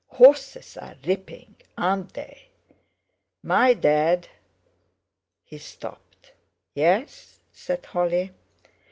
"Horses are ripping, aren't they? My Dad..." he stopped. "Yes?" said Holly.